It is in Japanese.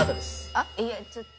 あっいやちょっと。